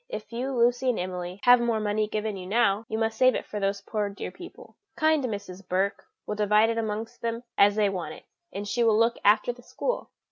If you, Lucy and Emily, have more money given you now, you must save it for these poor dear people. Kind Mrs. Burke will divide it amongst them as they want it; and she will look after the school."